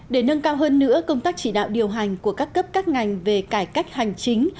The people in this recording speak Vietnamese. để nâng cao hơn nữa công tác chỉ đạo điều hành của các cấp các ngành về cải cách hành chính